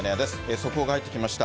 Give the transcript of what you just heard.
速報が入ってきました。